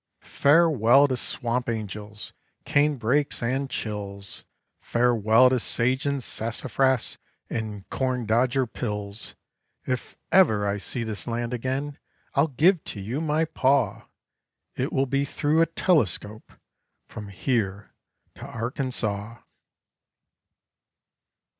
Farewell to swamp angels, cane brakes, and chills; Farewell to sage and sassafras and corn dodger pills. If ever I see this land again, I'll give to you my paw; It will be through a telescope from here to Arkansaw.